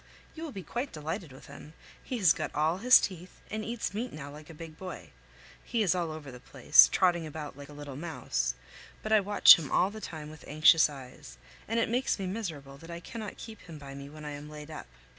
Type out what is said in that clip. You will be quite delighted with him. He has got all his teeth, and eats meat now like a big boy; he is all over the place, trotting about like a little mouse; but I watch him all the time with anxious eyes, and it makes me miserable that I cannot keep him by me when I am laid up.